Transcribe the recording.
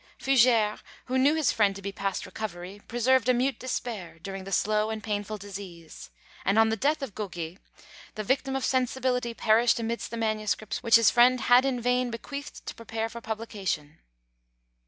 Fugere, who knew his friend to be past recovery, preserved a mute despair, during the slow and painful disease; and on the death of Goguet, the victim of sensibility perished amidst the manuscripts which his friend had in vain bequeathed to prepare for publication.